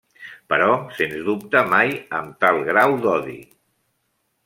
Però sens dubte mai amb tal grau d'odi.